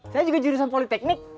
saya juga jurusan politeknik